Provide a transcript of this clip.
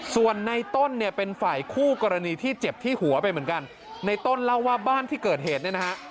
ส่วนในต้นเนี่ยเป็นฝ่ายคู่กรณีที่เจ็บที่หัวไปเหมือนกันในต้นเล่าว่าบ้านที่เกิดเหตุเนี่ยนะฮะ